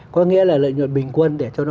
có nghĩa là lợi nhuận bình quân để cho nó